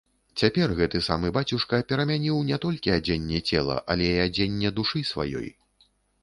Цяпер гэты самы бацюшка перамяніў не толькі адзенне цела, але і адзенне душы сваёй.